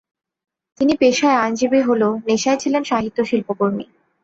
তিনি পেশায় আইনজীবী হলেও নেশায় ছিলেন সাহিত্য-শিল্পকর্মী।